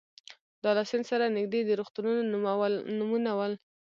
دا له سیند سره نږدې د روغتونونو نومونه ول.